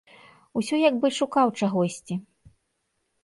Усё як бы шукаў чагосьці.